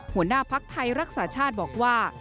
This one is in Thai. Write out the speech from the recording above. หัวหน้าภักดิ์ไทยรักษาชาติบอกว่า